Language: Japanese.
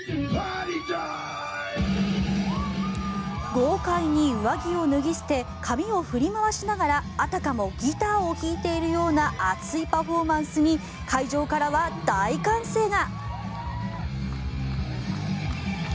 豪快に上着を脱ぎ捨て髪を振り回しながらあたかもギターを弾いているような熱いパフォーマンスに会場からは大歓声が。